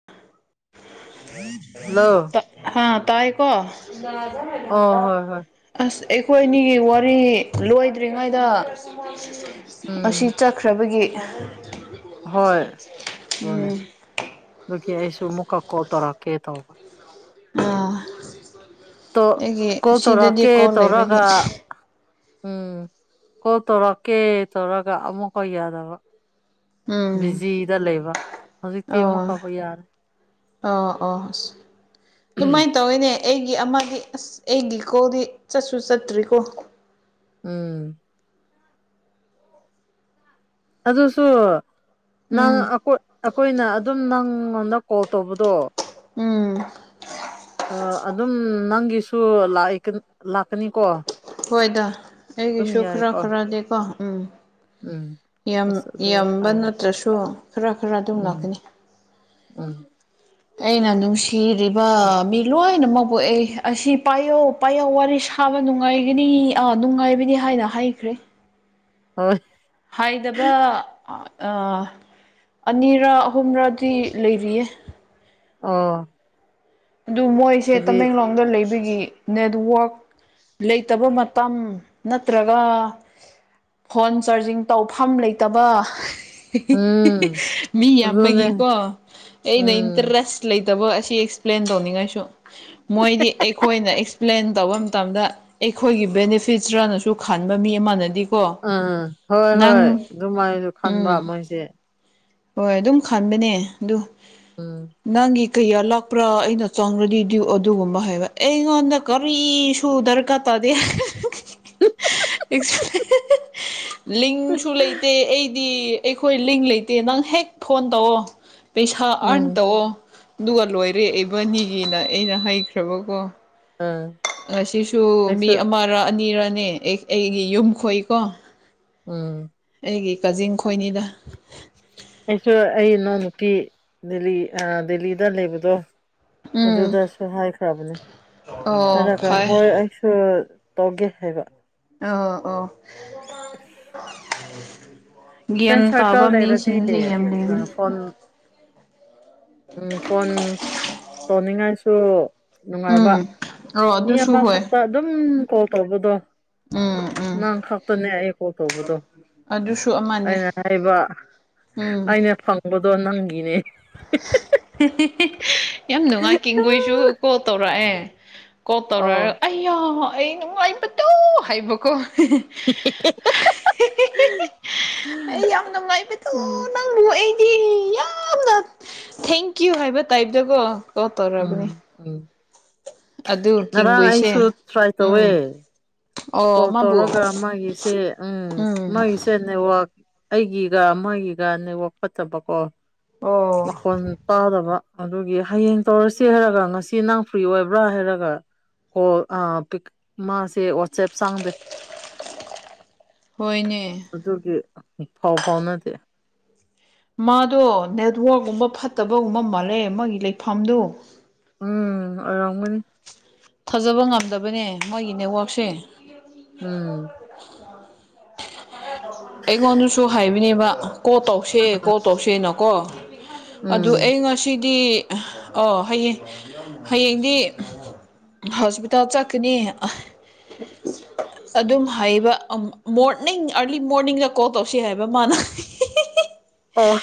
ꯑ [inaudible] ꯍꯜꯂꯣ ꯍꯥꯥ ꯇꯥꯏꯀꯣ ꯑꯣ ꯍꯣꯏ ꯍꯣꯏ ꯑꯁ ꯑꯩꯈꯣꯏ ꯑꯅꯤꯒꯤ ꯋꯥꯔꯤ ꯂꯣꯏꯗ꯭ꯔꯤꯉꯩꯗ ꯑꯁꯤ ꯎꯝ ꯇꯠ ꯈ꯭ꯔꯕꯒꯤ ꯍꯣꯏ ꯑꯗꯨꯅꯦ ꯑꯗꯨꯒꯤ ꯑꯩꯁꯨ ꯑꯃꯨꯛꯀ ꯀꯣꯜ ꯇꯧꯔꯛꯀꯦ ꯇꯧꯕ ꯑꯥ ꯇꯣ ꯑꯩꯒꯤ ꯀꯣꯜ ꯁꯤꯗꯗꯤ ꯇꯧꯔꯛꯀꯦ ꯀꯣꯜ ꯂꯩꯕꯒꯤ ꯇꯧꯔꯒ ꯎꯝ ꯀꯣꯜ ꯇꯧꯔꯛꯀꯦ ꯇꯧꯔꯒ ꯑꯃꯨꯛꯀ ꯌꯥꯗꯕ ꯎꯝ ꯕꯤꯖꯤꯗ ꯂꯩꯕ ꯍꯧꯖꯤꯛꯇꯤ ꯑꯣ ꯑꯃꯨꯛꯀ ꯌꯥꯔꯦ ꯑꯣ ꯑꯣ ꯑꯗꯨꯃꯥꯏ ꯇꯧꯋꯦꯅꯦ ꯑꯩꯒꯤ ꯑꯃꯗꯤ ꯑꯁ ꯑꯩꯒꯤ ꯀꯣꯜꯗꯤ ꯆꯠꯁꯨ ꯆꯠꯇ꯭ꯔꯤꯀꯣ ꯎꯝ ꯑꯗꯨꯁꯨ ꯅꯪ ꯎꯝ ꯑꯩꯈꯣꯏꯅ ꯑꯗꯨꯝ ꯅꯪꯉꯣꯟꯗ ꯀꯣꯜ ꯇꯧꯕꯗꯣ ꯎꯝ ꯑꯗꯨꯝ ꯅꯪꯒꯤꯁꯨ ꯂꯥꯛꯏ ꯂꯥꯛꯀꯅꯤꯀꯣ ꯑꯗꯨꯝ ꯌꯥꯏꯀꯣ ꯅꯗꯦꯀꯣ ꯎꯝ ꯎꯝ ꯌꯝ ꯑꯁ ꯑꯗꯨ ꯌꯝꯕ ꯍꯥꯏ ꯅꯠꯇ꯭ꯔꯁꯨ ꯈꯔ ꯈꯔ ꯑꯗꯨꯝ ꯎꯝ ꯂꯥꯛꯀꯅꯤ ꯎꯝ ꯑꯩꯅ ꯅꯨꯡꯁꯤꯔꯤꯕ ꯃꯤ ꯂꯣꯏꯅꯃꯛꯄꯣ ꯑꯩ ꯑꯁꯤ ꯄꯥꯏꯌꯣ ꯄꯥꯏꯌꯣ ꯋꯥꯔꯤ ꯁꯥꯕ ꯅꯨꯉꯥꯏꯒꯅꯤ ꯑꯥ ꯅꯨꯉꯥꯏꯕꯅꯤ ꯍꯥꯏꯅ ꯍꯥꯏꯈ꯭ꯔꯦ ꯍꯣꯏ ꯍꯥꯏꯗꯕ ꯑꯥ ꯑꯅꯤꯔ ꯑꯍꯨꯝꯔꯗꯤ ꯂꯩꯔꯤꯌꯦ ꯑꯣ ꯑꯗꯨ ꯃꯣꯏꯁꯦ ꯍꯥꯏꯗꯤ ꯇꯃꯦꯡꯂꯣꯡꯗ ꯂꯩꯕꯒꯤ ꯅꯦꯠꯋꯥꯛ ꯂꯩꯇꯕ ꯃꯇꯝ ꯅꯠꯇ꯭ꯔꯒ ꯐꯣꯟ ꯆꯥꯔꯖꯤꯡ ꯇꯧꯐꯝ ꯂꯩꯇꯕ ꯎꯝ ꯃꯤ ꯑꯗꯨꯅꯦ ꯌꯥꯝꯕꯒꯤꯀꯣ ꯑꯩꯅ ꯎꯝ ꯏꯟꯇꯔꯦꯁ ꯂꯩꯇꯕ ꯑꯁꯤ ꯄ꯭ꯂꯦꯟ ꯇꯧꯅꯤꯉꯥꯏꯁꯨ ꯃꯣꯏꯗꯤ ꯑꯩꯈꯣꯏꯅ ꯑꯦꯛꯁꯄ꯭ꯂꯦꯟ ꯇꯧꯕ ꯃꯇꯝꯗ ꯑꯩꯈꯣꯏꯒꯤ ꯕꯦꯅꯤꯐꯤꯠꯁꯔꯅꯁꯨ ꯈꯟꯕ ꯃꯤ ꯑꯃꯅꯗꯤ ꯑꯥ ꯍꯣꯏ ꯍꯣꯏ ꯗꯨꯃꯥꯏꯖꯨ ꯈꯟꯕ ꯎꯝ ꯃꯣꯏꯁꯦ ꯍꯣꯏ ꯑꯗꯨꯝ ꯈꯟꯕꯅꯦ ꯑꯗꯨ ꯎꯝ ꯅꯪꯒꯤ ꯀꯩꯌꯥ ꯂꯥꯛ ꯄ꯭ꯔꯥ ꯑꯩꯅ ꯆꯪꯔꯗꯤ ꯗ꯭ꯌꯨ ꯑꯗꯨꯒꯨꯝꯕ ꯍꯥꯏꯕ ꯑꯩꯉꯣꯟꯗ ꯀꯔꯤꯁꯨ ꯗꯔꯀꯥꯔ ꯇꯥꯗꯦ ꯑꯦꯛꯁꯄ꯭ꯂꯦ ꯂꯤꯡꯁꯨ ꯂꯩꯇꯦ ꯑꯩꯗꯤ ꯑꯩꯈꯣꯏ ꯂꯤꯡ ꯂꯩꯇꯦ ꯅꯪ ꯍꯦꯛ ꯐꯣꯟ ꯇꯧꯑꯣ ꯄꯩꯁꯥ ꯑꯥꯔꯟ ꯎꯝ ꯇꯧꯑꯣ ꯗꯨꯒ ꯂꯣꯏꯔꯦ ꯏꯕꯅꯤꯒꯤꯅ ꯑꯩꯅ ꯍꯩꯈ꯭ꯔꯕꯀꯣ ꯑꯥ ꯉꯁꯤꯁꯨ ꯃꯤ ꯑꯃꯔ ꯑꯅꯤꯔꯅꯦ ꯑꯩ ꯑꯩꯒꯤ ꯌꯨꯝ ꯈꯣꯏꯀꯣ ꯎꯝ ꯑꯩꯒꯤ ꯀꯖꯤꯟ ꯈꯣꯏꯅꯤꯗ ꯑꯩꯁꯨ ꯑꯩ ꯏꯅꯥꯎ ꯅꯨꯄꯤ ꯗꯦꯜꯂꯤ ꯑꯥ ꯗꯦꯜꯂꯤꯗ ꯂꯩꯕꯗꯣ ꯎꯝ ꯑꯗꯨꯗꯁꯨ ꯍꯥꯏꯈ꯭ꯔꯕꯅꯦ ꯑꯣ ꯍꯥꯏꯔꯒ ꯐꯩ ꯍꯣꯏ ꯑꯩꯁ ꯁꯨ ꯇꯣꯒꯦ ꯍꯥꯏꯕ ꯑꯑꯣ ꯑꯣ [unintelligible] ꯒ꯭ꯌꯥꯟ ꯐ꯭ꯔꯦꯟ ꯁꯥꯔꯀꯜ ꯇꯥꯕ ꯂꯩꯔꯗꯤ ꯃꯤꯁꯤꯡꯖꯦ ꯌꯥꯝ ꯂꯩꯕꯅꯤ ꯐꯣꯟ ꯎꯝ ꯐꯣꯟ ꯇꯣꯅꯤꯉꯥꯏꯁꯨ ꯎꯝ ꯅꯨꯉꯥꯏꯕ ꯑꯣ ꯃꯤ ꯑꯗꯨꯁꯨ ꯍꯣꯏ ꯑꯃꯈꯛꯇ ꯑꯗꯨꯝ ꯀꯣꯜ ꯇꯧꯕꯗꯣ ꯎꯝ ꯎꯝ ꯅꯪ ꯈꯥꯛꯇꯅꯦ ꯑꯩ ꯀꯣꯜ ꯇꯧꯕꯗꯣ ꯑꯗꯨꯁꯨ ꯑꯃꯅꯤ ꯑꯩꯅ ꯍꯥꯏꯕ ꯎꯝ ꯑꯩꯅ ꯐꯪꯕꯗꯣ ꯅꯪꯒꯤꯅꯦ ꯌꯥꯝ ꯅꯨꯉꯥꯏ ꯀꯦꯡꯒꯣꯏꯁꯨ ꯀꯣꯜ ꯇꯧꯔꯑꯦ ꯀꯣ ꯇꯧꯔꯑꯒ ꯑꯣ ꯑꯩꯌꯥ ꯑꯩ ꯅꯨꯉꯥꯏꯕꯗꯨꯨ ꯍꯥꯏꯕꯀꯣ [unintelligible] ꯑꯩ ꯌꯥꯝ ꯅꯨꯉꯥꯏ ꯎꯝ ꯌꯥꯝꯅ ꯊꯦꯡꯀ꯭ꯌꯨ ꯍꯥꯏꯕ ꯇꯥꯏꯞꯗꯀꯣ ꯎꯝ ꯎꯝ ꯑꯗꯨ ꯉꯔꯥꯡ ꯑꯩꯁꯨ ꯀꯦꯡꯒꯨꯏꯁꯦ ꯇ꯭ꯔꯥꯏ ꯇꯧꯋꯦ ꯎꯝ ꯑꯣ ꯀꯣꯜ ꯃꯥꯕꯨ ꯇꯧꯔꯒ ꯃꯥꯒꯤꯁꯦ ꯎꯪ ꯎꯝ ꯃꯥꯒꯤꯁꯦ ꯅꯦꯋꯥꯛ ꯑꯩꯒꯤꯒ ꯃꯣꯏꯒꯤꯒ ꯅꯦꯋꯥꯛ ꯐꯠꯇꯕꯀꯣ ꯑꯣ ꯃꯈꯣꯟ ꯇꯥꯗꯕ ꯑꯗꯨꯒꯤ ꯍꯌꯦꯡ ꯇꯧꯔꯁꯦ ꯍꯥꯏꯔꯒ ꯉꯁꯤ ꯅꯪ ꯐ꯭ꯔꯤ ꯑꯣꯏꯕ꯭ꯔꯥ ꯍꯥꯏꯔꯒ ꯀꯣꯜ ꯑ ꯄꯤꯛ ꯃꯥꯁꯦ ꯋꯥꯠꯁꯞ ꯆꯪꯗꯦ ꯍꯣꯏꯅꯦ ꯑꯗꯨꯒꯤ ꯐꯥꯎ ꯐꯥꯎꯅꯗꯦ ꯃꯥꯗꯣ ꯅꯦꯠꯋꯔꯛꯀꯨꯝꯕ ꯐꯠꯇꯕꯒꯨꯝꯕ ꯃꯥꯜꯂꯦ ꯃꯥꯒꯤ ꯂꯩꯐꯝꯗꯣ ꯎꯝ ꯑꯣꯏꯔꯝꯒꯅꯤ ꯊꯥꯖꯕ ꯉꯝꯗꯕꯅꯦ ꯃꯣꯏꯒꯤ ꯅꯦꯋꯥꯛꯁꯦ ꯎꯝ ꯑꯩꯉꯣꯟꯗꯁꯨ ꯍꯥꯏꯕꯅꯦꯕ ꯀꯣꯜ ꯇꯧꯁꯦ ꯀꯣꯜ ꯇꯧꯁꯦꯅꯀꯣ ꯑꯗꯨ ꯎꯝ ꯑꯩ ꯉꯁꯤꯗꯤ ꯑꯣ ꯍꯌꯦꯡ ꯍꯌꯦꯡꯗꯤ ꯍꯣꯁꯄꯤꯇꯥꯜ ꯆꯠꯀꯅꯤ ꯑꯗꯨꯝ ꯍꯩꯕ ꯃꯣꯔꯅꯤꯡ ꯑꯔꯂꯤ ꯃꯣꯔꯅꯤꯡꯗ ꯀꯣꯜ ꯇꯧꯁꯤ ꯍꯥꯏꯕ ꯃꯥꯅ ꯑꯣ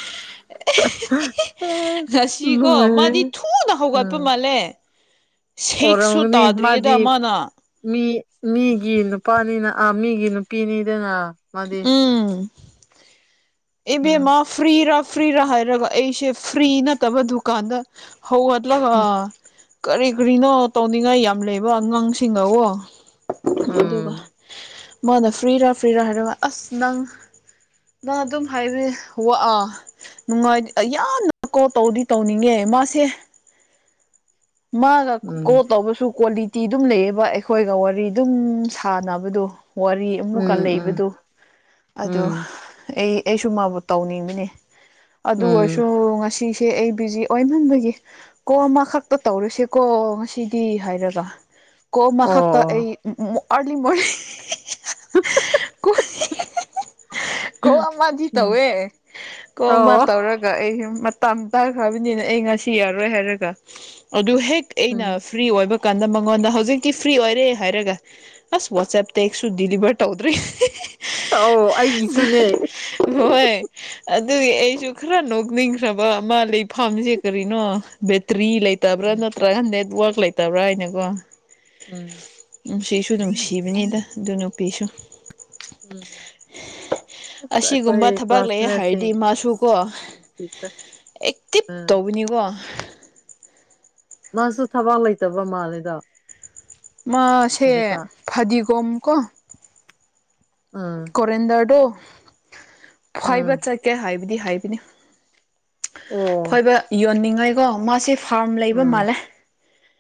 ꯉꯁꯤꯀꯣ ꯃꯥꯗꯤ ꯂꯣꯏꯔꯦꯍꯦ ꯊꯨꯅ ꯍꯧꯒꯠꯄ ꯎꯝ ꯃꯥꯜꯂꯦ ꯁꯤꯁꯁꯨ ꯑꯣꯏꯔꯝꯒꯅꯤ ꯇꯥꯗ꯭ꯔꯤꯌꯦꯗ ꯃꯥꯗꯤ ꯃꯥꯅ ꯃꯤ ꯃꯤꯒꯤ ꯅꯨꯄꯥꯅꯤꯅ ꯑꯥ ꯃꯤꯒꯤ ꯅꯨꯄꯤꯅꯤꯗꯅ ꯃꯥꯗꯤ ꯎꯪ ꯏꯕꯦꯝꯃ ꯎꯝ ꯐ꯭ꯔꯤꯔꯥ ꯐ꯭ꯔꯤꯔꯥ ꯍꯥꯏꯔꯒ ꯑꯩꯁꯦ ꯐ꯭ꯔꯤ ꯅꯠꯇꯕ ꯗꯨꯀꯥꯟꯗ ꯍꯧꯒꯠꯂꯒ ꯀꯔꯤ ꯀ꯭ꯔꯤꯅꯣ ꯇꯧꯅꯤꯡꯉꯥꯏ ꯌꯥꯝ ꯂꯩꯕ ꯑꯉꯥꯡꯁꯤꯡꯒꯀꯣ ꯑꯗꯨꯒ ꯎꯝ ꯃꯥꯅ ꯐ꯭ꯔꯤ ꯔ ꯐ꯭ꯔꯤ ꯔ ꯍꯥꯏꯔꯒ ꯑꯁ ꯅꯪ ꯅ ꯑꯗꯨꯝ ꯍꯥꯏꯔꯦ ꯋꯥ ꯑꯥ ꯅꯨꯡꯉꯥꯏ ꯌꯥꯝꯅꯀꯣ ꯇꯧꯗꯤ ꯇꯧꯅꯤꯡꯉꯦ ꯃꯥꯁꯦ ꯃꯥꯒ ꯀꯣꯜ ꯎꯝ ꯇꯧꯕꯁꯨ ꯀꯣꯜꯂꯤ ꯇꯤ ꯗꯨꯝ ꯂꯩꯌꯦꯕ ꯑꯩꯈꯣꯏꯒ ꯋꯥꯔꯤ ꯗꯨꯝ ꯁꯥꯟꯅꯕꯗꯣ ꯋꯥꯔꯤ ꯑꯃꯨꯛꯀ ꯎꯝ ꯎꯝ ꯂꯩꯕꯗꯨ ꯑꯗꯨ ꯎꯝ ꯑꯦ ꯑꯩꯁꯨ ꯃꯥꯕꯨ ꯇꯧꯅꯤꯡꯕꯅꯦ ꯑꯗꯨ ꯑꯣꯏꯔꯁꯨ ꯎꯝ ꯉꯁꯤ ꯖꯦ ꯑꯩ ꯕꯤꯖꯤ ꯑꯣꯏꯃꯟꯕꯒꯤ ꯀꯣ ꯑꯃꯈꯛ ꯇ ꯇꯧꯔꯁꯦꯀꯣ ꯉꯁꯤꯗꯤ ꯍꯥꯏꯔꯒ ꯀꯣ ꯑꯣ ꯑꯃꯈꯛꯇ ꯑꯩ ꯑꯣ ꯑꯔꯂꯤ ꯃꯣꯔꯅꯤ ꯀꯣ ꯑꯃꯗꯤ ꯎꯝ ꯇꯧꯋꯦ ꯀꯣ ꯑꯃ ꯑꯣ ꯇꯧꯔꯒ ꯑꯩ ꯇꯝ ꯇꯥꯈ꯭ꯔꯕꯅꯤꯅ ꯑꯩ ꯉꯁꯤ ꯌꯥꯔꯣꯏ ꯍꯥꯏꯔꯒ ꯑꯗꯨ ꯍꯦꯛ ꯑꯩꯅ ꯎꯝ ꯐ꯭ꯔꯤ ꯑꯣꯏꯕ ꯀꯥꯟꯗ ꯃꯉꯣꯟꯗ ꯍꯧꯖꯤꯛꯇꯤ ꯐ꯭ꯔꯤ ꯑꯣꯏꯔꯦ ꯍꯥꯏꯔꯒ ꯑꯁ ꯋꯥꯆꯞ ꯇꯦꯛꯁꯨ ꯗꯤꯂꯤꯚꯔ ꯇꯧꯗ꯭ꯔꯤ ꯑꯥꯎ ꯑꯩꯒꯤꯁꯨꯅꯦ ꯍꯣꯏ ꯑꯗꯨꯒꯤ ꯑꯩꯁꯨ ꯈꯔ ꯅꯣꯛꯅꯤꯡꯈ꯭ꯔꯕ ꯑꯃ ꯂꯩꯐꯝꯁꯦ ꯀꯔꯤꯅꯣ ꯕꯦꯇ꯭ꯔꯤ ꯂꯩ ꯇꯕ꯭ꯔꯥ ꯎꯝ ꯅꯠꯇ꯭ꯔꯒ ꯅꯦꯠꯋꯥꯛ ꯂꯩꯇꯕ꯭ꯔꯥ ꯍꯥꯏꯅꯀꯣ ꯎꯝ ꯅꯨꯡꯁꯤꯁꯨ ꯅꯨꯡꯁꯤꯕꯅꯤꯗ ꯑꯗꯨ ꯅꯨꯄꯤꯁꯨ ꯎꯝ ꯑꯁ ꯑꯁꯤꯒꯨꯝꯕ ꯑꯩꯈꯣꯏ ꯊꯕꯛ ꯂꯩꯌꯦ ꯍꯥꯏꯔꯗꯤ ꯀ꯭ꯂꯥꯁꯃꯦꯠꯁꯤꯡ ꯃꯥꯁꯨꯀꯣ ꯅꯨꯡꯁꯤꯈ꯭ꯔꯦ ꯑꯦꯛꯇꯤꯞ ꯎꯝ ꯇꯧꯕꯅꯤꯀꯣ ꯃꯥꯁꯨ ꯊꯕꯥꯛ ꯂꯩꯇꯕ ꯃꯥꯜꯂꯤꯗ ꯃꯥꯁꯦ ꯐꯗꯤꯒꯣꯝ ꯀꯣ ꯑꯝ ꯐꯣꯔꯦꯟꯗ꯭ꯔꯗꯣ ꯐꯣꯢꯕ ꯎꯝ ꯆꯠꯀꯦ ꯍꯥꯏꯕꯗꯤ ꯍꯥꯏꯕꯅꯤ ꯑꯣ ꯐꯣꯏꯕ ꯌꯣꯟꯅꯤꯡꯉꯥꯏꯀꯣ ꯃꯥꯁꯦ ꯐꯥꯔꯝ ꯂꯩꯕ ꯎꯝ ꯃꯥꯜꯂꯦ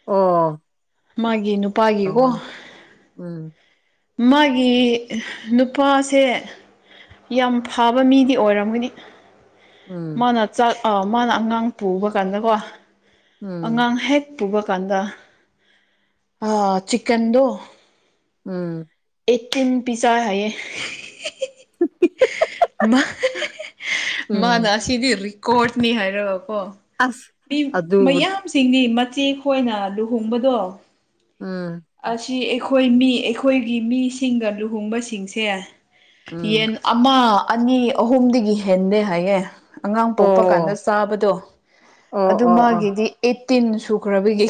ꯑꯣ ꯃꯥꯒꯤ ꯅꯨꯄꯥꯒꯤꯀꯣ ꯎꯝ ꯃꯥꯒꯤ ꯅꯨꯄꯥꯁꯦ ꯌꯥꯝ ꯐꯕ ꯃꯤꯗꯤ ꯑꯣꯏꯔꯝꯒꯅꯤ ꯎꯝ ꯃꯥꯅ ꯆꯥꯛ ꯃꯥꯅ ꯑꯉꯥꯡ ꯄꯨꯕ ꯀꯥꯟꯗꯀꯣ ꯎꯝ ꯑꯉꯥꯡ ꯍꯦꯛ ꯄꯨꯕ ꯀꯥꯟꯗ ꯑꯥ ꯆꯤꯛꯒꯟꯗꯣ ꯎꯝ ꯑꯦ ꯇꯤꯟ ꯄꯤꯆꯩ ꯍꯥꯏꯌꯦ ꯃꯥ ꯎꯝ ꯃꯥꯅ ꯎꯝ ꯑꯁꯤꯗꯤ ꯔꯤꯀꯣꯔꯠꯅꯤ ꯍꯥꯏꯔꯒꯀꯣ ꯑꯁ ꯃꯤ ꯑꯗꯨꯕꯨ ꯃꯌꯥꯝ ꯁꯤꯡꯗꯤ ꯃꯆꯦ ꯈꯣꯏꯅ ꯂꯨꯍꯣꯡꯕꯗꯣ ꯑꯝ ꯑꯁꯤ ꯑꯩꯈꯣꯏ ꯃꯤ ꯑꯩꯈꯣꯏꯒꯤ ꯃꯤꯁꯤꯡꯒ ꯂꯨꯍꯣꯡꯕꯁꯤꯡꯁꯦ ꯎꯝ ꯌꯦꯟ ꯑꯃ ꯑꯅꯤ ꯑꯍꯨꯝꯗꯒꯤ ꯍꯦꯟꯗꯦ ꯍꯥꯏꯌꯦ ꯑꯉꯥꯡ ꯄꯣꯛꯄ ꯀꯥꯟꯗ ꯑꯣ ꯆꯥꯕꯗꯣ ꯑꯗꯨ ꯑꯣ ꯑꯣ ꯑꯣ ꯃꯥꯒꯤꯗꯤ ꯑꯩꯠꯇꯤꯟ ꯁꯨꯈ꯭ꯔꯕꯒꯤ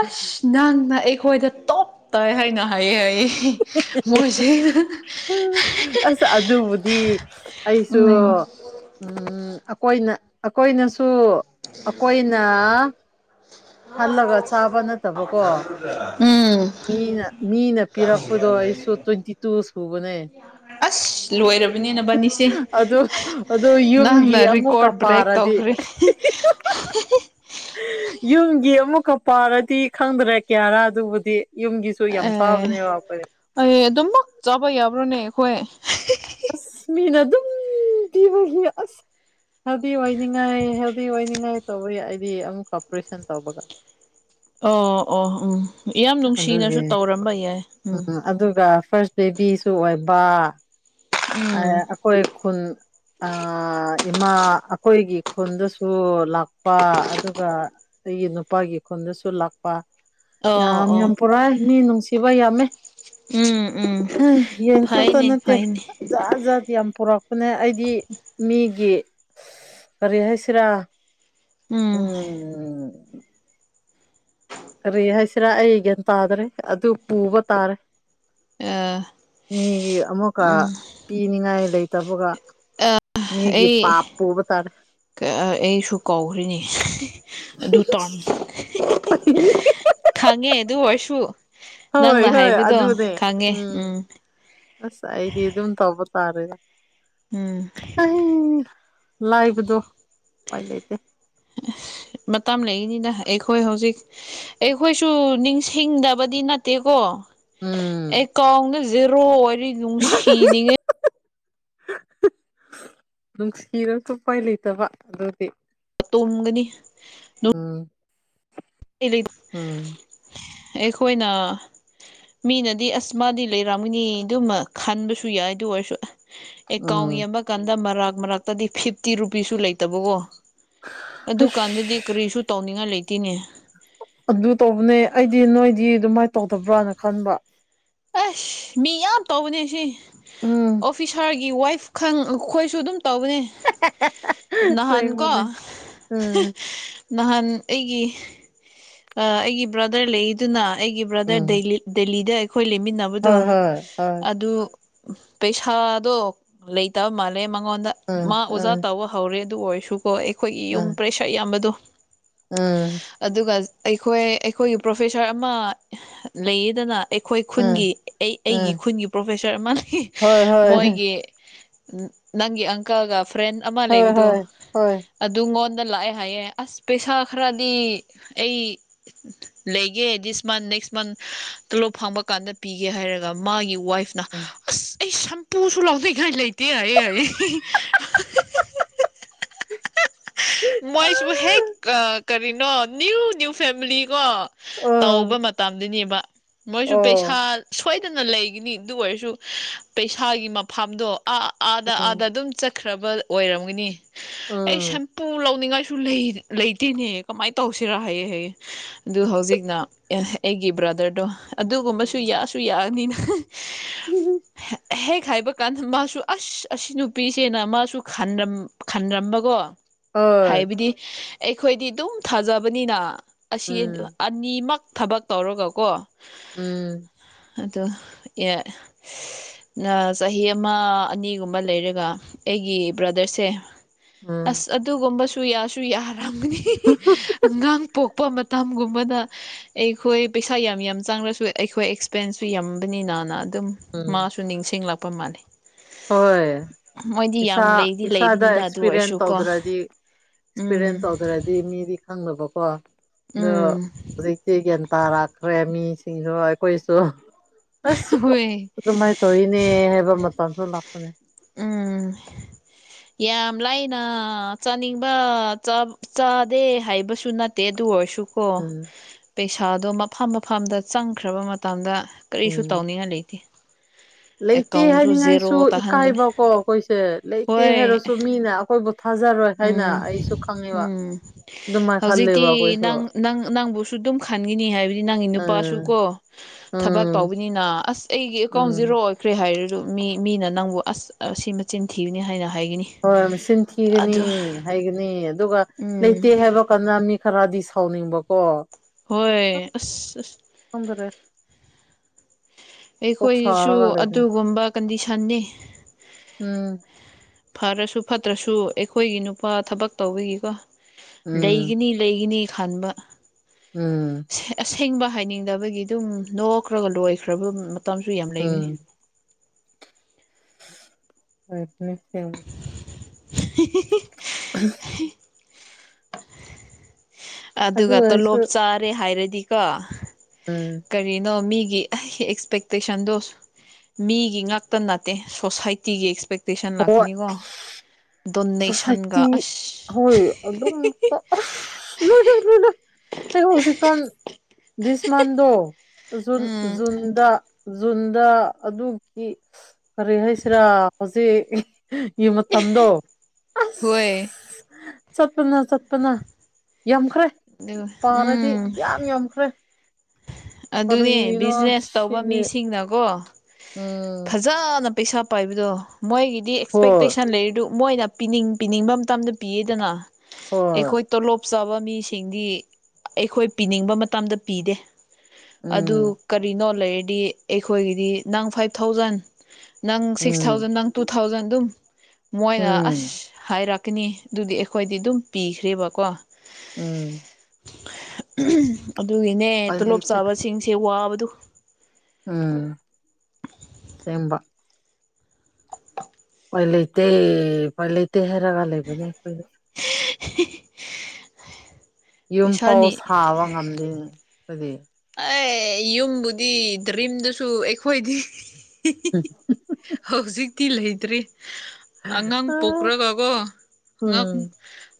ꯑꯁ ꯅꯪ ꯑꯩꯈꯣꯏꯗ ꯇꯣꯞ ꯇꯥꯏ ꯍꯥꯏꯅ ꯍꯥꯏꯌꯦ ꯍꯥꯢ ꯃꯣꯢ ꯆꯦꯅ ꯑꯁ ꯑꯗꯨꯕꯨꯗꯤ ꯑꯩꯁꯨ ꯎꯝ ꯎꯝ ꯑꯩꯈꯣꯏꯅ ꯑꯩꯈꯣꯏꯅꯁꯨ ꯑꯩꯈꯣꯏꯅ ꯈꯜꯂꯒ ꯆꯥꯕ ꯅꯠꯇꯕꯀꯣ ꯎꯝ ꯃꯤꯅ ꯃꯤꯅ ꯄꯤꯔꯛꯄꯗꯣ ꯑꯩꯁꯨ ꯇ꯭ꯋꯤꯟꯇꯤ ꯇꯨ ꯁꯨꯕꯅꯦ ꯑꯁ ꯂꯣꯏꯔꯕꯅꯤ ꯅꯕꯥꯅꯤꯁꯦ ꯑꯗꯨ ꯑꯗꯨ ꯅꯪꯅ ꯌꯨꯝꯒꯤ ꯑꯃꯨꯛꯀ ꯔꯦꯀꯣꯔꯠ ꯕ꯭ꯔꯦꯛ ꯄꯥꯔꯗꯤ ꯇꯧꯈ꯭ꯔꯦ ꯌꯨꯝꯒꯤ ꯑꯃꯨꯛꯀ ꯄꯥꯔꯗꯤ ꯈꯪꯗ꯭ꯔꯦ ꯀꯌꯥꯔꯥ ꯑꯗꯨꯕꯨꯗꯤ ꯌꯨꯝꯒꯤꯁꯨ ꯌꯥꯝ ꯑꯦ ꯆꯥꯕꯅꯦ ꯑꯩꯈꯣꯢ ꯑꯩ ꯑꯗꯨꯝꯃꯛ ꯆꯥꯕ ꯌꯥꯕ꯭ꯔꯣꯅꯦ ꯑꯩꯈꯣꯏ ꯑꯁ ꯃꯤꯅ ꯑꯗꯨꯝ ꯄꯤꯕꯒꯤ ꯑꯁ ꯍꯦꯜꯗꯤ ꯑꯣꯏꯅꯤꯡꯉꯥꯏ ꯍꯦꯜꯗꯤ ꯑꯣꯏꯅꯤꯡꯉꯥꯏ ꯇꯧꯕ ꯑꯩꯗꯤ ꯑꯃꯨꯛꯀ ꯑꯣꯄꯔꯦꯁꯟ ꯇꯧꯕꯒ ꯑꯣ ꯑꯣ ꯎꯝ ꯌꯥꯝ ꯅꯨꯡꯁꯤꯅꯁꯨ ꯑꯗꯨꯒꯤ ꯇꯧꯔꯝꯕ ꯌꯥꯏ ꯎꯝ ꯑꯗꯨꯒ ꯐꯥꯔꯁ ꯕꯦꯕꯤꯁꯨ ꯑꯣꯏꯕ ꯑꯥ ꯎꯝ ꯑꯩꯈꯣꯏ ꯈꯨꯟ ꯑꯥ ꯏꯃꯥ ꯑꯩꯈꯣꯏꯒꯤ ꯈꯨꯟꯗꯁꯨ ꯂꯥꯛꯄ ꯑꯗꯨꯒ ꯑꯩꯒꯤ ꯅꯨꯄꯥꯒꯤ ꯈꯨꯟꯗꯁꯨ ꯂꯥꯛꯄ ꯌꯥꯝ ꯌꯥꯝ ꯑꯣ ꯑꯣ ꯄꯨꯔꯛꯑꯦ ꯃꯤ ꯅꯨꯡꯁꯤꯕ ꯌꯥꯝꯃꯦ ꯎꯝ ꯎꯝ ꯑꯥ ꯌꯦꯟ ꯈꯥꯛꯇ ꯐꯩꯅꯦ ꯅꯠꯇꯦ ꯐꯩꯅꯦ ꯖꯥꯠ ꯖꯥꯠ ꯌꯥꯝ ꯄꯨꯔꯛꯄꯅꯦ ꯑꯩꯗꯤ ꯃꯤꯒꯤ ꯀꯔꯤ ꯍꯥꯏꯁꯤꯔ ꯎꯝ ꯎꯝ ꯀꯔꯤ ꯍꯥꯏꯁꯤꯔꯥ ꯑꯩ ꯒꯤꯌꯥꯟ ꯇꯥꯗ꯭ꯔꯦ ꯑꯗꯨ ꯄꯨꯕ ꯇꯥꯔꯦ ꯃꯤꯒꯤ ꯑꯃꯨꯛꯀ ꯄꯤꯅꯤꯡꯉꯥꯏ ꯂꯩꯇꯕꯒ ꯃꯤꯒꯤ ꯑꯩ ꯄꯥꯞ ꯄꯨꯕ ꯇꯥꯔꯦ ꯑꯩꯁꯨ ꯀꯧꯈ꯭ꯔꯦꯅꯦ ꯑꯗꯨ ꯇꯧꯔꯣ ꯈꯪꯉꯦ ꯑꯗꯨ ꯑꯣꯏꯔꯁꯨ ꯍꯣꯏ ꯅꯪꯅ ꯍꯣꯏ ꯍꯥꯏꯕꯗꯣ ꯑꯗꯨꯅꯦ ꯈꯪꯉꯦ ꯎꯝ ꯑꯁ ꯑꯩꯗꯤ ꯑꯗꯨꯝ ꯇꯧꯕ ꯇꯥꯔꯦ ꯎꯝ ꯑꯩ ꯂꯥꯏꯕꯗꯣ ꯎꯄꯥꯏ ꯂꯩꯇꯦ ꯃꯇꯝ ꯂꯩꯒꯅꯤꯗ ꯑꯩꯈꯣꯏ ꯍꯧꯖꯤꯛ ꯑꯩꯈꯣꯏꯁꯨ ꯅꯤꯡꯁꯤꯡꯗꯕꯗꯤ ꯅꯠꯇꯦꯀꯣ ꯎꯝ ꯑꯦꯀꯥꯎꯟꯗ ꯖꯤꯔꯣ ꯑꯣꯏꯔꯤ ꯍꯥꯍꯥꯍꯥ ꯅꯨꯡꯁꯤꯅꯤꯡꯉꯦ [unintelligible] ꯅꯨꯡꯁꯤꯔꯁꯨ ꯎꯄꯥꯏ ꯂꯩꯇꯕ ꯑꯗꯨꯗꯤ ꯇꯨꯝꯒꯅꯤ ꯎꯝ ꯎꯝ ꯑꯩꯈꯣꯏꯅ ꯃꯤꯅꯗꯤ ꯑꯁ ꯃꯥꯗꯤ ꯂꯩꯔꯝꯒꯅꯤ ꯑꯗꯨꯝꯃꯛ ꯈꯟꯕꯁꯨ ꯌꯥꯏ ꯑꯗꯨ ꯑꯣꯏꯔꯁꯨ ꯑꯦꯀꯥꯎꯟ ꯎꯝ ꯌꯦꯡꯕ ꯀꯥꯟꯗ ꯃꯔꯥꯛ ꯃꯔꯥꯛꯇꯗꯤ ꯐꯤꯞꯇꯤ ꯔꯨꯄꯤꯁꯁꯨ ꯂꯩꯇꯕꯀꯣ ꯑꯁ ꯑꯗꯨꯀꯥꯟꯗꯗꯤ ꯀꯔꯤꯁꯨ ꯇꯧꯅꯤꯡꯉꯥꯏ ꯂꯩꯇꯦꯅꯦ ꯑꯗꯨ ꯇꯧꯕꯅꯦ ꯑꯩꯗꯤ ꯅꯣꯏꯗꯤ ꯑꯗꯨꯃꯥꯏꯅ ꯇꯧꯗꯕ꯭ꯔꯅ ꯈꯟꯕ ꯑꯁ ꯃꯤ ꯌꯥꯝ ꯇꯧꯕꯅꯦ ꯁꯤ ꯎꯝ ꯑꯣꯐꯤꯁꯥꯔꯒꯤ ꯋꯥꯏꯐ ꯈꯪ ꯑꯩꯈꯣꯏꯁꯨ ꯑꯗꯨꯝ ꯇꯧꯕꯅꯦ ꯅꯍꯥꯟ ꯀꯣ ꯂꯩꯕꯅꯦ ꯎꯝ ꯅꯍꯥꯟ ꯑꯩꯒꯤ ꯑꯩꯒꯤ ꯕ꯭ꯔꯗꯥꯔ ꯂꯩꯑꯦꯗꯅ ꯑꯩꯒꯤ ꯕ꯭ꯔꯗꯥꯔ ꯎꯝ ꯗꯦꯜꯂꯤ ꯗꯦꯜꯂꯤꯗ ꯑꯩꯈꯣꯏ ꯂꯩꯃꯤꯟꯅꯕꯗꯣ ꯍꯣꯏ ꯍꯣꯏ ꯍꯣꯏ ꯑꯗꯨ ꯄꯩꯁꯥꯗꯣ ꯂꯩꯇꯕ ꯃꯥꯜꯂꯦ ꯃꯉꯣꯟꯗ ꯃꯥ ꯎꯝ ꯑꯣꯖꯥ ꯎꯝ ꯇꯧꯕ ꯍꯧꯔꯦ ꯑꯗꯨ ꯑꯣꯏꯔꯁꯨꯀꯣ ꯑꯩꯈꯣꯏꯒꯤ ꯌꯨꯝ ꯎꯝ ꯄꯩꯁꯥ ꯌꯥꯝꯕꯗꯣ ꯎꯝ ꯑꯗꯨꯒ ꯑꯩꯈꯣꯏ ꯑꯩꯈꯣꯏꯒꯤ ꯄ꯭ꯔꯣꯐꯦꯁꯥꯔ ꯑꯃ ꯂꯩꯌꯦꯗꯅ ꯑꯩꯈꯣꯏ ꯈꯨꯟꯒꯤ ꯎꯝ ꯑꯩ ꯑꯩꯒꯤ ꯎꯝ ꯈꯨꯟꯒꯤ ꯄ꯭ꯔꯣꯐꯦꯁꯔ ꯑꯃ ꯂꯩ ꯍꯣꯏ ꯍꯣꯏ ꯃꯣꯏꯒꯤ ꯅꯪꯒꯤ ꯑꯪꯀꯜꯒ ꯐ꯭ꯔꯦꯟ ꯑꯃ ꯍꯣꯏ ꯂꯩꯕꯗꯨ ꯍꯣꯏ ꯍꯣꯏ ꯑꯗꯨꯉꯣꯟꯗ ꯂꯥꯛꯑꯦ ꯍꯥꯏꯌꯦ ꯑꯁ ꯄꯩꯁꯥ ꯈꯔꯗꯤ ꯑꯩ ꯂꯩꯒꯦ ꯗꯤꯁ ꯃꯥꯟꯁ ꯅꯦꯛꯁ ꯃꯥꯟꯁ ꯇꯣꯂꯣꯞ ꯐꯥꯡꯕ ꯀꯥꯟꯗ ꯄꯤꯒꯦ ꯍꯥꯏꯔꯒ ꯃꯥꯒꯤ ꯋꯥꯏꯐꯅ ꯎꯝ ꯑꯁ ꯑꯩ ꯁꯝꯄꯨꯁꯨ ꯂꯥꯎꯅꯤꯡꯉꯥꯢ ꯂꯩꯇꯦ ꯍꯥꯏꯑꯦ ꯍꯥꯏꯑꯦ ꯃꯣꯏꯁꯨ ꯍꯦꯛ ꯀꯔꯤꯅꯣ ꯅꯤꯌꯨ ꯅꯤꯌꯨ ꯐꯦꯃꯤꯂꯤ ꯀꯣ ꯇꯧꯕ ꯑꯣ ꯃꯇꯝꯗꯨꯅꯦꯕ ꯃꯣꯏꯁꯨ ꯎꯝ ꯄꯩꯁꯥ ꯁꯣꯏꯗꯅ ꯂꯩꯒꯅꯤ ꯑꯗꯨ ꯑꯣꯏꯔꯁꯨ ꯄꯩꯁꯥꯒꯤ ꯃꯐꯝꯗꯣ ꯑꯥ ꯑꯥꯗ ꯑꯥꯗ ꯑꯗꯨꯝ ꯆꯠꯈ꯭ꯔꯕ ꯑꯣꯏꯔꯝꯒꯅꯤ ꯑꯩ ꯎꯝ ꯁꯝꯄꯨ ꯂꯧꯅꯤꯡꯉꯥꯏ ꯁꯨ ꯂꯩꯇꯦꯅꯦ ꯀꯃꯥꯏꯅ ꯇꯧꯁꯦꯔꯥ ꯍꯥꯏꯌꯦ ꯍꯥꯏꯌꯦ ꯑꯗꯨ ꯍꯧꯖꯤꯛꯅ ꯑꯩꯒꯤ ꯕ꯭ꯔꯗꯥꯔꯗꯣ ꯑꯗꯨꯒꯨꯝꯕꯁꯨ ꯎꯝ ꯌꯥꯁꯨ ꯌꯥꯅꯤꯅ ꯍꯦꯛ ꯍꯥꯏꯕ ꯀꯥꯟꯗ ꯃꯥꯁꯨ ꯑꯁ ꯑꯁꯤ ꯅꯨꯄꯤꯁꯦꯅ ꯃꯥꯁꯨ ꯈꯟꯔꯝ ꯈꯟꯔꯝꯕꯒꯣ ꯍꯣꯏ ꯍꯥꯏꯕꯗꯤ ꯑꯩꯈꯣꯏꯗꯤ ꯑꯗꯨꯝ ꯊꯥꯖꯕꯅꯤꯅ ꯑꯁꯤ ꯎꯝ ꯑꯅꯤꯃꯛ ꯊꯕꯛ ꯇꯧꯔꯒꯀꯣ ꯎꯝ ꯑꯗꯨ ꯑꯥ ꯆꯍꯤ ꯑꯃ ꯑꯅꯤꯒꯨꯝꯕ ꯂꯩꯔꯒ ꯑꯩꯒꯤ ꯕ꯭ꯔꯗꯔꯁꯦ ꯎꯝ ꯑꯁ ꯑꯗꯨꯒꯨꯝꯕꯁꯨ ꯌꯥꯁꯨ ꯌꯥꯔꯝꯒꯅꯤ ꯑꯉꯥꯡ ꯄꯣꯛꯄ ꯃꯇꯝꯒꯨꯝꯕꯗ ꯑꯩꯈꯣꯏ ꯄꯩꯁꯥ ꯌꯥꯝ ꯌꯥꯝ ꯆꯪꯉꯁꯨ ꯑꯩꯈꯣꯏ ꯑꯦꯛꯁꯄꯦꯟꯁꯁꯨ ꯌꯥꯝꯕꯅꯤꯅꯅ ꯑꯗꯨꯝ ꯎꯝ ꯃꯥꯁꯨ ꯅꯤꯡꯁꯤꯡꯂꯛꯄ ꯃꯥꯜꯂꯦ ꯍꯣꯏ ꯃꯣꯏꯗꯤ ꯏꯁꯥ ꯌꯥꯝ ꯂꯩꯗꯤ ꯏꯁꯥꯗ ꯂꯩꯕꯅꯤꯗ ꯑꯗꯨ ꯑꯦꯛꯁꯄꯤꯔꯤꯌꯦꯟꯁ ꯑꯣꯏꯔꯁꯨꯀꯣ ꯇꯧꯗ꯭ꯔꯗꯤ ꯑꯦꯛꯁꯄꯤꯔꯤꯌꯦꯟꯁ ꯎꯝ ꯇꯧꯗ꯭ꯔꯗꯤ ꯃꯤꯗꯤ ꯈꯪꯅꯕꯀꯣ ꯑꯗꯣ ꯎꯝ ꯍꯧꯖꯤꯛ ꯁꯤ ꯒ꯭ꯌꯥꯟ ꯇꯥꯔꯛꯈ꯭ꯔꯦ ꯃꯤꯁꯤꯡꯁꯨ ꯑꯩꯈꯣꯏꯁꯨ ꯑꯁ ꯍꯣꯏ ꯑꯗꯨꯃꯥꯏꯅ ꯇꯧꯋꯤꯅꯦ ꯍꯥꯏꯕ ꯃꯇꯝꯁꯨ ꯂꯥꯛꯄꯅꯦ ꯎꯝ ꯌꯥꯝ ꯂꯥꯏꯅ ꯆꯠꯅꯤꯡꯕ ꯆ ꯆꯥꯗꯦ ꯍꯥꯏꯕꯁꯨ ꯅꯠꯇꯦ ꯑꯗꯨ ꯑꯣꯏꯔꯁꯨ ꯀꯣ ꯎꯝ ꯄꯩꯁꯥꯗꯣ ꯃꯐꯝ ꯃꯐꯝꯗ ꯆꯪꯈ꯭ꯔꯕ ꯃꯇꯝꯗ ꯀꯔꯤꯁꯨ ꯎꯝ ꯇꯧꯅꯤꯡꯉꯥꯏ ꯂꯩꯇꯦ ꯂꯩꯇꯦ ꯑꯦꯀꯥꯎꯟꯁꯨ ꯍꯥꯏꯅꯤꯡꯉꯥꯏꯁꯨ ꯖꯦꯔꯣ ꯇꯥꯍꯟꯕꯅꯦ ꯏꯀꯥꯏꯕꯀꯣ ꯑꯩꯈꯣꯏꯁꯦ ꯂꯩꯇꯦ ꯍꯣꯏ ꯍꯥꯏꯔꯁꯨ ꯃꯤꯅ ꯑꯩꯈꯣꯏꯕꯨ ꯊꯥꯖꯔꯣꯏ ꯍꯥꯏꯅ ꯎꯝ ꯑꯩꯁꯨ ꯈꯪꯉꯦꯕ ꯎꯝ ꯑꯗꯨꯃꯥꯏꯅ ꯈꯜꯂꯦꯕ ꯍꯧꯖꯤꯛꯇꯤ ꯑꯩꯈꯣꯏꯁꯨ ꯅꯪ ꯅꯪ ꯅꯪꯕꯨꯁꯨ ꯑꯗꯨꯝ ꯈꯟꯈꯤꯅꯤ ꯍꯥꯏꯕꯗꯤ ꯅꯪꯒꯤ ꯅꯨꯄꯥꯁꯨ ꯎꯝ ꯀꯣ ꯊꯕꯛ ꯎꯝ ꯇꯧꯕ ꯅꯤꯅ ꯑꯁ ꯑꯩꯒꯤ ꯑꯦꯀꯥꯎꯟ ꯎꯝ ꯖꯤꯔꯣ ꯈ꯭ꯔꯦ ꯍꯥꯏꯔꯁꯨ ꯃꯤ ꯃꯤꯅ ꯅꯪꯕꯨ ꯑꯁ ꯑꯁꯤ ꯃꯆꯤꯟ ꯊꯤꯕꯅꯤ ꯍꯥꯏꯅ ꯍꯥꯏꯒꯅꯤ ꯍꯣꯏ ꯃꯆꯤꯟ ꯊꯤꯒꯅꯤ ꯑꯗꯨ ꯍꯥꯏꯒꯅꯤ ꯑꯗꯨꯒ ꯎꯝ ꯂꯩꯇꯦ ꯍꯥꯏꯕ ꯀꯥꯟꯗ ꯃꯤ ꯈꯔꯗꯤ ꯁꯥꯎꯅꯤꯡꯕꯀꯣ ꯍꯣꯏ ꯑꯁ ꯈꯪꯗꯔꯦ ꯀꯣꯛ ꯑꯩꯈꯣꯏꯁꯨ ꯁꯥꯔꯒ ꯂꯩꯕꯅꯤ ꯑꯗꯨꯒꯨꯝꯕ ꯀꯟꯗꯤꯁꯟꯅꯤ ꯎꯝ ꯐꯔꯁꯨ ꯐꯠꯇ꯭ꯔꯁꯨ ꯑꯩꯈꯣꯏꯒꯤ ꯅꯨꯄꯥ ꯊꯕꯛ ꯇꯧꯕꯒꯤꯀꯣ ꯎꯝ ꯂꯩꯒꯅꯤ ꯂꯩꯒꯅꯤ ꯈꯟꯕ ꯎꯝ ꯑꯁꯦꯡꯕ ꯍꯥꯏꯅꯤꯡꯗꯕꯒꯤ ꯑꯗꯨꯝ ꯅꯣꯛꯈ꯭ꯔꯒ ꯂꯣꯏꯈ꯭ꯔꯕ ꯃꯇꯝꯁꯨ ꯌꯥꯝ ꯂꯩꯕꯅꯤ ꯑꯝ ꯑꯝ ꯑꯝ [unintelligible] [inaudible] ꯑꯗꯨ ꯑꯗꯨꯒ ꯑꯣꯏꯔꯁꯨ ꯇꯣꯂꯣꯞ ꯆꯥꯔꯦ ꯍꯥꯏꯔꯗꯤꯀꯣ ꯎꯝ ꯀꯔꯤꯅꯣ ꯃꯤꯒꯤ ꯑꯦꯛꯁꯄꯦꯛꯇꯦꯁꯟꯗꯣ ꯃꯤꯒꯤ ꯉꯛꯇ ꯅꯠꯇꯦ ꯁꯣꯁꯥꯏꯇꯤꯒꯤ ꯑꯦꯛꯁꯄꯦꯛꯇꯦꯁꯟ ꯍꯣꯏ ꯂꯥꯛꯀꯅꯤꯀꯣ ꯗꯣꯅꯦꯁꯟꯒ ꯁꯣꯁꯥꯏꯇꯤ ꯑꯁ ꯍꯣꯏ ꯑꯗꯨꯝ [unintelligible] ꯑꯁ ꯂꯣꯏ [unintelligible] ꯑꯩ ꯍꯧꯖꯤꯛꯀꯥꯟ ꯗꯤꯁ ꯃꯥꯟꯗꯣ ꯖꯨꯟ ꯎꯝ ꯖꯨꯟꯗ ꯖꯨꯟꯗ ꯑꯗꯨꯒꯤ ꯀꯔꯤ ꯍꯥꯏꯁꯤꯔꯥ ꯍꯧꯖꯤꯛ ꯌꯨ ꯃꯇꯝꯗꯣ ꯍꯣꯢ ꯑꯁ ꯆꯠꯄꯅ ꯆꯠꯄꯅ ꯌꯥꯝꯈ꯭ꯔꯦ ꯑꯗꯨ ꯄꯥꯔꯗꯤ ꯎꯝ ꯌꯥꯝ ꯌꯥꯝꯈ꯭ꯔꯦ ꯑꯗꯨꯅꯦ ꯀꯔꯤꯅꯣ ꯕꯤꯖꯤꯅꯦꯁ ꯇꯧꯕ ꯁꯤꯗꯤ ꯃꯤꯁꯤꯡꯅꯀꯣ ꯎꯝ ꯐꯖꯅ ꯄꯩꯁꯥ ꯄꯥꯏꯕꯗꯣ ꯃꯣꯏꯒꯤꯗꯤ ꯍꯣꯏ ꯑꯦꯛꯁꯄꯦꯛꯇꯦꯁꯟ ꯂꯩꯔꯤꯗꯨ ꯃꯣꯏꯅ ꯄꯤꯅꯤꯡ ꯄꯤꯅꯤꯡꯕ ꯃꯇꯝꯗ ꯄꯤꯌꯦꯗꯅ ꯍꯣꯏ ꯑꯩꯈꯣꯏ ꯇꯣꯂꯣꯞ ꯆꯥꯕ ꯃꯤꯁꯤꯡꯗꯤ ꯑꯩꯈꯣꯏ ꯄꯤꯅꯤꯡꯕ ꯃꯇꯝꯗ ꯄꯤꯗꯦ ꯑꯗꯨ ꯎꯝ ꯀꯔꯤꯅꯣ ꯂꯩꯔꯗꯤ ꯑꯩꯈꯣꯏꯒꯤꯗꯤ ꯅꯪ ꯐꯥꯏꯚ ꯊꯥꯎꯖꯟ ꯅꯪ ꯁꯤꯛꯁ ꯎꯝ ꯊꯥꯎꯖꯟ ꯅꯪ ꯇꯨ ꯊꯥꯎꯖꯟ ꯑꯗꯨꯝ ꯃꯣꯏꯅ ꯑꯁ ꯎꯝ ꯍꯥꯏꯔꯛꯀꯅꯤ ꯑꯗꯨꯗꯤ ꯑꯩꯈꯣꯏꯗꯤ ꯑꯗꯨꯝ ꯄꯤꯈ꯭ꯔꯦꯕꯀꯣ ꯎꯝ ꯑꯗꯨꯒꯤꯅꯦ ꯎꯄꯥꯏ ꯇꯣꯂꯣꯞ ꯂꯩꯇꯦ ꯆꯥꯕꯁꯤꯡꯁꯦ ꯋꯥꯕꯗꯨ ꯎꯝ ꯁꯦꯝꯕ ꯄꯥꯏꯂꯩꯇꯩ ꯄꯥꯏꯂꯩꯇꯩ ꯍꯔꯒ ꯂꯩꯕꯅꯤ ꯑꯩꯈꯣꯏꯁꯨ [inaudible] [inaudible] ꯌꯨꯝꯐꯥꯎ ꯄꯩꯁꯥꯅꯤ ꯁꯥꯕ ꯉꯝꯗꯦ ꯈꯣꯏꯗꯤ ꯑꯦ ꯌꯨꯝꯕꯨꯗꯤ ꯗ꯭ꯔꯤꯝꯗꯁꯨ ꯑꯩꯈꯣꯏꯗꯤ ꯎꯝ ꯍꯧꯖꯤꯛꯇꯤ ꯂꯩꯇ꯭ꯔꯤ ꯑꯉꯥꯡ ꯄꯣꯛꯈ꯭ꯔꯒꯀꯣ ꯑꯉꯥꯡ ꯎꯝ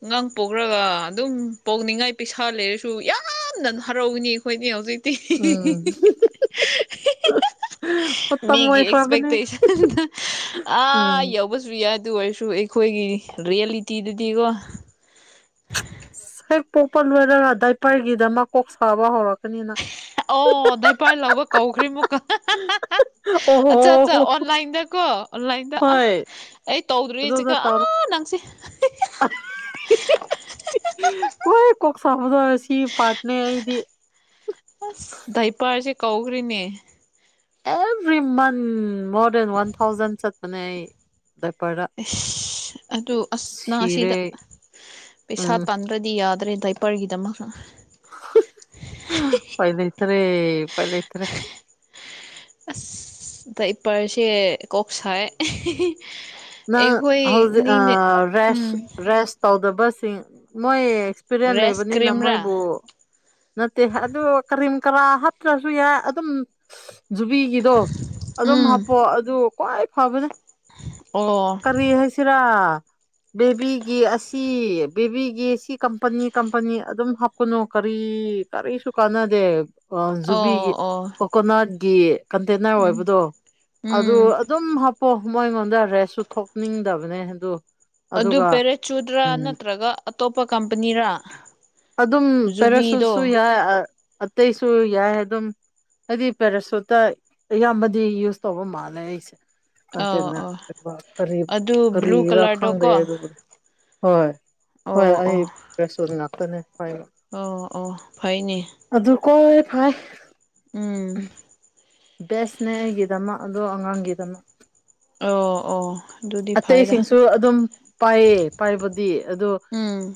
ꯑꯉꯥꯡ ꯄꯣꯛꯔꯒ ꯑꯗꯨꯝ ꯄꯣꯛꯅꯤꯡꯉꯥꯏ ꯄꯩꯁꯥ ꯂꯩꯔꯁꯨ ꯌꯥꯝꯅ ꯍꯔꯥꯎꯒꯅꯤ ꯑꯩꯈꯣꯏꯅꯦ ꯍꯧꯖꯤꯛ [inaudible] ꯎꯝ ꯃꯇꯝ ꯃꯤꯒꯤ ꯑꯣꯏꯈ꯭ꯔꯕꯅꯦ ꯑꯦꯛꯁꯄꯦꯛꯇꯦꯁꯟꯗ ꯑꯥ ꯎꯝ ꯌꯧꯕꯁꯨ ꯌꯥꯠ ꯑꯗꯨ ꯑꯣꯏꯔꯁꯨ ꯑꯩꯈꯣꯏꯒꯤ ꯔꯤꯌꯦꯂꯤꯇꯤꯗꯗꯤꯀꯣ ꯍꯦꯛ ꯄꯣꯛꯄ ꯂꯣꯏꯔꯒ ꯗꯥꯏꯄꯔꯒꯤ ꯗꯃꯛ ꯀꯣꯛ ꯁꯥꯕ ꯍꯧꯔꯛꯀꯅꯤꯅ ꯑꯣ ꯗꯥꯏꯄꯥꯏ ꯂꯧꯕ ꯀꯧꯈ꯭ꯔꯤ ꯃꯨꯛꯀ ꯑꯠꯆꯥ ꯑꯠꯆꯥ ꯑꯣꯍꯣ ꯑꯣ ꯑꯣꯟꯂꯥꯏꯟꯗꯀꯣ ꯑꯣꯟꯂꯥꯏꯟꯗ ꯑꯥ ꯍꯣꯏ ꯑꯩ ꯇꯧꯗ꯭ꯣꯔꯤꯁꯤꯀ ꯑꯗꯨꯝꯅ ꯇꯧꯔꯣ ꯑꯥ ꯅꯪꯁꯤ ꯀꯣꯏ ꯀꯣꯛ ꯁꯥꯕꯗꯣ ꯁꯤ ꯄꯥꯔꯠꯅꯦ ꯑꯩꯗꯤ ꯑꯁ ꯗꯥꯏꯄꯥꯔꯁꯦ ꯀꯧꯈ꯭ꯔꯤꯅꯦ every month more than one thousand ꯆꯠꯄꯅꯦ ꯑꯩ ꯗꯏꯄꯔꯗ ꯏꯁ ꯑꯗꯨ ꯑꯁ ꯅꯪ ꯑꯁꯤꯗ ꯄꯩꯁꯥ ꯎꯝ ꯇꯥꯟ ꯑꯗꯨ꯭ꯔꯗꯤ ꯌꯥꯗ꯭ꯔꯦ ꯗꯥꯏꯄꯔ ꯒꯤ ꯗꯥꯃꯛ ꯄꯥꯏ ꯂꯩꯇꯔꯦ ꯄꯥꯏ ꯂꯩꯇꯔꯦ ꯏꯁ ꯗꯥꯏꯄꯔꯁꯦ ꯀꯣꯛ ꯁꯥꯏ ꯅꯪ ꯍꯧꯖꯤꯛ ꯑꯩꯈꯣꯏꯅꯤꯅꯦ ꯑꯥ ꯔꯦꯁ ꯎꯝ ꯔꯦꯁ ꯇꯧꯗꯕꯁꯤꯡ ꯃꯣꯏ ꯑꯦꯛꯁꯄꯤꯔꯦꯟ ꯔꯦꯁ ꯂꯩꯕꯅꯤꯅ ꯀ꯭ꯔꯤꯝꯔꯥ ꯃꯣꯏꯕꯨ ꯅꯠꯇꯦ ꯑꯗꯨ ꯀꯔꯤꯝ ꯀꯔꯥ ꯍꯥꯞꯠꯇ꯭ꯔꯁꯨ ꯌꯥꯏ ꯑꯗꯨꯝ ꯖꯨꯕꯤꯒꯤꯗꯣ ꯑꯗꯨꯝ ꯎꯝ ꯍꯥꯞꯄꯣꯑꯣ ꯑꯗꯨ ꯈ꯭ꯋꯥꯏ ꯐꯕꯅꯦ ꯑꯣ ꯀꯔꯤ ꯍꯥꯏꯁꯤꯔꯥ ꯕꯦꯕꯤꯒꯤ ꯑꯁꯤ ꯕꯦꯕꯤꯒꯤ ꯁꯤ ꯀꯝꯄꯅꯤ ꯀꯝꯄꯅꯤ ꯑꯗꯨꯝ ꯍꯞ ꯀꯅꯣ ꯀꯔꯤ ꯀꯔꯤꯁꯨ ꯀꯥꯟꯅꯗꯦ ꯑ ꯑꯣ ꯖꯨꯕꯤꯒꯤ ꯑꯣ ꯀꯣꯀꯣꯅꯠꯒꯤ ꯀꯟꯇꯦꯅꯔ ꯎꯝ ꯑꯣꯏꯕꯗꯣ ꯎꯝ ꯑꯗꯨ ꯑꯗꯨꯝ ꯍꯥꯞꯄꯣ ꯃꯣꯏꯉꯣꯟꯗ ꯔꯦꯁꯁꯨ ꯊꯣꯛꯅꯤꯡꯗꯕ ꯄꯅꯦ ꯑꯗꯣ ꯑꯗꯨ ꯄꯦꯔꯦꯠꯆꯨꯗ꯭ꯔꯥ ꯅꯠꯇ꯭ꯔꯒ ꯑꯇꯣꯞꯄ ꯀꯝꯄꯅꯤꯔꯥ ꯑꯗꯨꯝ ꯖꯨꯕꯤꯗꯣ ꯄꯦꯔꯥꯁꯨꯠꯁꯨ ꯌꯥꯏ ꯑꯇꯩꯁꯨ ꯌꯥꯏ ꯑꯗꯨꯝ ꯍꯥꯏꯗꯤ ꯄꯦꯔꯥꯁꯨꯨꯠꯇ ꯑꯌꯥꯝꯕꯗꯤ ꯌꯨꯁ ꯇꯧꯕ ꯃꯥꯜꯂꯦ ꯑꯩꯁꯦ ꯑꯣ ꯀꯟꯇꯦꯅ ꯑꯣ ꯀꯔꯤ ꯑꯗꯨ ꯕ꯭ꯂꯨ ꯀꯔꯤꯔ ꯀꯂꯔꯗꯣ ꯈꯪꯗꯦ ꯀꯣ ꯑꯗꯨ ꯍꯣꯏ ꯍꯣꯏ ꯑꯣ ꯑꯣ ꯑꯩꯁ ꯔꯦꯁꯣꯟ ꯉꯥꯛꯇꯅꯦ ꯐꯏꯟ ꯑꯣ ꯑꯣ ꯐꯩꯅꯦ ꯑꯗꯨ ꯀꯣꯏ ꯐꯥꯏ ꯎꯝ ꯕꯦꯁꯅꯦ ꯑꯩꯒꯤꯗꯃꯛ ꯑꯗꯣ ꯑꯉꯥꯡꯒꯤꯗꯃꯛ ꯑꯣ ꯑꯣ ꯑꯗꯨꯗꯤ ꯐꯩꯗ ꯑꯇꯩꯁꯤꯡꯁꯨ ꯑꯗꯨꯝ ꯄꯥꯏꯌꯦ ꯄꯥꯏꯕꯗꯤ ꯑꯗꯣ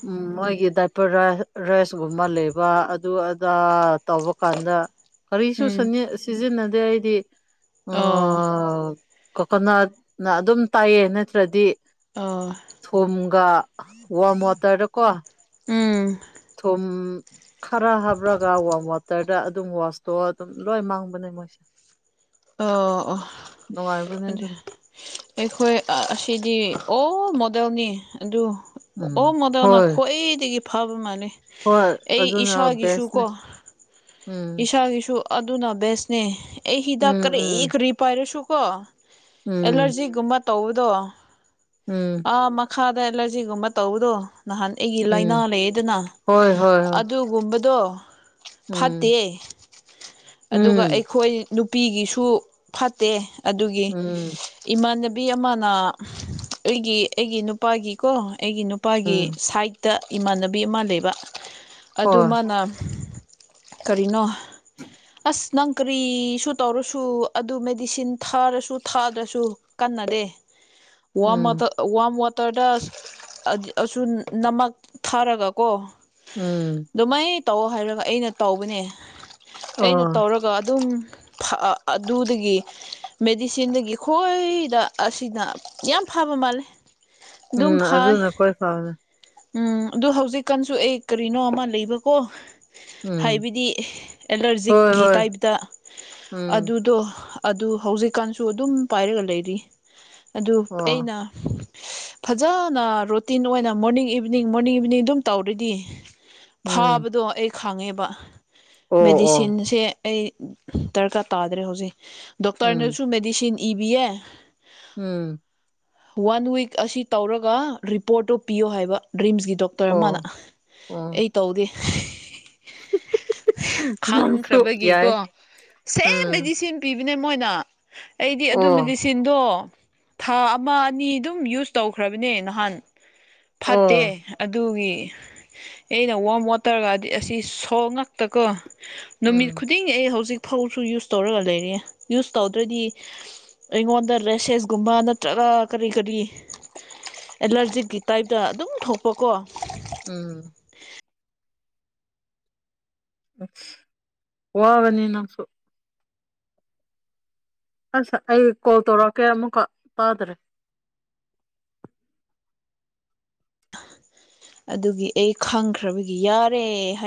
ꯎꯝ ꯃꯣꯏꯒꯤ ꯗꯥꯠ ꯄꯔꯥꯏꯁꯒꯨꯝꯕ ꯂꯩꯕ ꯑꯗꯨ ꯑꯗꯥ ꯇꯧꯕ ꯀꯥꯟꯗ ꯀꯔꯤꯁꯨ ꯎꯝ ꯁꯟꯌꯦ ꯁꯤꯖꯤꯟꯅꯗꯦ ꯑꯩꯗꯤ ꯑꯣ ꯀꯣꯀꯣꯅꯠꯅ ꯑꯗꯨꯝ ꯇꯥꯏꯌꯦ ꯅꯠꯇ꯭ꯔꯗꯤ ꯑꯣ ꯊꯨꯝꯒ ꯋꯥꯝ ꯋꯥꯇꯔꯗꯀꯣ ꯎꯝ ꯊꯨꯝ ꯈꯔ ꯍꯥꯞꯔꯒ ꯋꯥꯝ ꯋꯥꯇꯔ ꯈꯔ ꯑꯗꯨꯝ ꯋꯥꯁꯇꯣ ꯑꯗꯨꯝ ꯂꯣꯏ ꯃꯥꯡꯕꯅꯦ ꯃꯣꯏꯁꯦ ꯑꯣ ꯑꯣ ꯅꯨꯡꯉꯥꯏꯕꯅꯦ ꯑꯗꯨ ꯑꯗꯨꯅ ꯑꯩꯈꯣꯏ ꯑꯁꯤꯗꯤ ꯑꯣ ꯃꯣꯗꯦꯜꯅꯤ ꯑꯗꯨ ꯑꯣ ꯎꯝ ꯃꯗꯧꯅ ꯍꯣꯏ ꯈ꯭ꯋꯥꯏꯗꯒꯤ ꯐꯥꯕ ꯃꯥꯜꯂꯦ ꯍꯣꯏ ꯑꯩ ꯑꯗꯨꯅ ꯏꯁꯥꯒꯤꯁꯨ ꯀꯣ ꯕꯦꯁꯅꯦ ꯎꯝ ꯏꯁꯥꯒꯤꯁꯨ ꯑꯗꯨꯅ ꯕꯦꯁꯅꯦ ꯑꯩ ꯎꯝ ꯍꯤꯗꯥꯛ ꯀꯔꯤ ꯎꯝ ꯀꯔꯤ ꯄꯥꯏꯔꯁꯨ ꯀꯣ ꯎꯝ ꯑꯦꯂꯔꯖꯤꯒꯨꯝꯕ ꯇꯧꯕꯗꯣ ꯎꯝ ꯑꯥ ꯃꯈꯥꯗ ꯑꯦꯂꯔꯖꯤꯒꯨꯝꯕ ꯇꯧꯕꯗꯣ ꯅꯍꯥꯟ ꯑꯩꯒꯤ ꯂꯥꯏꯅꯥ ꯎꯝ ꯂꯩꯌꯦꯗꯅ ꯍꯣꯏ ꯍꯣꯏ ꯍꯣꯏ ꯑꯗꯨ ꯨꯒꯨꯝ ꯕꯗꯣ ꯐꯠꯇꯦ ꯎꯝ ꯑꯗꯨꯒ ꯎꯝ ꯑꯩꯈꯣꯏ ꯅꯨꯄꯤꯒꯤꯁꯨ ꯐꯠꯇꯦ ꯑꯗꯨꯒꯤ ꯎꯝ ꯏꯃꯥꯟꯅꯕꯤ ꯑꯃꯅ ꯑꯩꯒꯤ ꯑꯩꯒꯤ ꯅꯨꯞ ꯅꯨꯄꯥꯒꯤꯀꯣ ꯑꯩꯒꯤ ꯅꯨꯄꯥꯒꯤ ꯎꯝ ꯁꯥꯏꯠꯇ ꯏꯃꯥꯟꯅꯕꯤ ꯑꯃ ꯂꯩꯕ ꯑꯗꯨ ꯍꯣꯏ ꯃꯥꯅ ꯀꯔꯤꯅꯣ ꯑꯁ ꯅꯪ ꯀꯔꯤꯁꯨ ꯇꯧꯔꯁꯨ ꯑꯗꯨ ꯃꯦꯗꯤꯁꯤꯟ ꯊꯥꯔꯁꯨ ꯊꯥꯗ꯭ꯔꯁꯨ ꯀꯟꯅꯗꯦ ꯋꯥꯝ ꯎꯝ ꯋꯇꯔ ꯋꯥꯝ ꯋꯥꯇꯔꯗ ꯑꯗꯤ ꯑꯁꯨ ꯅꯃꯛ ꯊꯥꯔꯒ ꯀꯣ ꯎꯝ ꯑꯗꯨꯃꯥꯏꯅ ꯇꯧ ꯍꯥꯏꯔꯒ ꯑꯩꯅ ꯇꯧꯕꯅꯦ ꯑꯩꯅ ꯑꯣ ꯇꯧꯔꯒ ꯑꯗꯨꯝ ꯊꯥꯛꯑ ꯑꯗꯨꯗꯒꯤ ꯃꯦꯗꯤꯁꯤꯟꯗꯒꯤ ꯈꯣꯏꯗ ꯑꯁꯤꯅ ꯌꯥꯝ ꯐꯕ ꯃꯥꯜꯂꯦ ꯑꯗꯨꯝ ꯎꯝ ꯐꯩ ꯑꯗꯨꯅ ꯀꯣꯏ ꯐꯥꯎꯅꯦ ꯎꯝ ꯑꯗꯨ ꯍꯧꯖꯤꯛꯀꯥꯟꯁꯨ ꯑꯩ ꯀꯔꯤꯅꯣ ꯑꯃ ꯂꯩꯕꯀꯣ ꯎꯝ ꯍꯥꯏꯕꯗꯤ ꯍꯣꯏ ꯑꯦꯂꯔꯖꯤꯛꯀꯤ ꯍꯣꯏ ꯇꯥꯏꯞꯇ ꯎꯝ ꯑꯗꯨꯗꯣ ꯑꯗꯨ ꯍꯧꯖꯤꯛꯀꯥꯟꯁꯨ ꯑꯗꯨꯝ ꯄꯥꯏꯔꯒ ꯂꯩꯔꯤ ꯑꯗꯨ ꯑꯣ ꯑꯩꯅ ꯐꯖꯅ ꯔꯣꯇꯤꯟ ꯑꯣꯏꯅ ꯃꯣꯔꯅꯤꯡ ꯏꯞ ꯏꯚꯤꯅꯤꯡ ꯃꯣꯔꯅꯤꯡ ꯏꯚꯤꯅꯤꯡ ꯑꯗꯨꯝ ꯇꯧꯔꯗꯤ ꯎꯝ ꯐꯥꯕꯗꯣ ꯑꯩ ꯈꯪꯉꯦꯕ ꯑꯣ ꯑꯣ ꯃꯦꯗꯤꯁꯤꯟꯁꯦ ꯑꯩ ꯗꯔꯀꯥꯔ ꯇꯥꯗ꯭ꯔꯦ ꯍꯧꯖꯤꯛ ꯎꯝ ꯗꯣꯛꯇꯔꯅꯁꯨ ꯃꯦꯗꯤꯁꯤꯟ ꯏꯕꯤꯌꯦ ꯎꯝ ꯋꯥꯟ ꯋꯤꯛ ꯑꯁꯤ ꯇꯧꯔꯒ ꯔꯤꯄꯣꯔꯠꯇꯨ ꯄꯤꯌꯣ ꯍꯥꯏꯕ ꯔꯤꯝꯁꯀꯤ ꯗꯣꯛ ꯇꯔ ꯑꯃꯅ ꯑꯣ ꯑꯣ ꯑꯩ ꯇꯧꯗꯦ ꯅꯪꯁꯨ ꯌꯥꯏ ꯈꯪꯈ꯭ꯔꯕꯒꯤꯀꯣ ꯎꯝ ꯁꯦꯝꯗꯗꯤ ꯁꯤꯝ ꯄꯤꯕꯤꯅꯦ ꯃꯣꯏꯅ ꯑꯩꯗꯤ ꯑꯣ ꯑꯗꯨꯃꯗꯤ ꯁꯤꯟꯗꯣ ꯊꯥ ꯑꯃ ꯑꯅꯤ ꯑꯗꯨꯝ ꯌꯨꯁ ꯇꯧꯈ꯭ꯔꯕꯅꯦ ꯅꯍꯥꯟ ꯐꯠꯇꯦ ꯑꯣ ꯑꯗꯨꯒꯤ ꯑꯩꯅ ꯋꯥꯔꯝ ꯋꯥꯇꯔꯒꯗꯤ ꯑꯁꯤ ꯁꯣ ꯉꯛꯇꯀꯣ ꯅꯨꯃꯤꯠ ꯎꯝ ꯈꯨꯗꯤꯡꯒꯤ ꯑꯩ ꯍꯧꯖꯤꯛ ꯐꯥꯎꯁꯨ ꯌꯨꯁ ꯇꯧꯔꯒ ꯂꯩꯔꯤꯌꯦ ꯌꯨꯁ ꯇꯧꯗ꯭ꯔꯗꯤ ꯑꯩꯉꯣꯟꯗ ꯔꯁꯦꯁꯒꯨꯝꯕ ꯅꯠꯇ꯭ꯔꯒ ꯀꯔꯤ ꯀꯔꯤ ꯑꯦꯂꯔꯖꯤꯛꯀꯤ ꯇꯥꯏꯞꯇ ꯑꯗꯨꯝ ꯊꯣꯛꯄꯀꯣ ꯎꯪꯎꯪ ꯋꯥꯒꯅꯤ ꯅꯪꯁꯨ ꯑꯥꯁ ꯑꯩ ꯀꯣꯜ ꯇꯧꯔꯛꯀꯦ ꯑꯃꯨꯛꯀ ꯇꯥꯗꯔꯦ ꯑꯗꯨꯒꯤ ꯑꯩ ꯈꯪꯈ꯭ꯔꯕꯒꯤ ꯌꯥꯔꯦ ꯍꯥꯏ